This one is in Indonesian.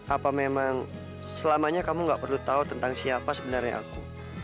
apa memang selamanya kamu gak perlu tahu tentang siapa sebenarnya aku